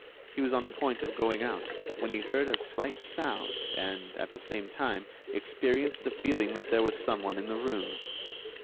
He was on the point of going out, when he heard a slight sound and, at the same time, experienced the feeling that there was someone in the room.